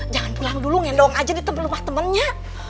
jangan pulang dulu ngendong aja di rumah temennya